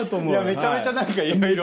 めちゃめちゃ何かいろいろ。